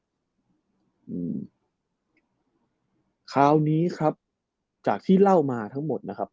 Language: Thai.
อืมคราวนี้ครับจากที่เล่ามาทั้งหมดนะครับ